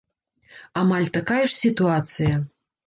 Амаль такая ж сітуацыя.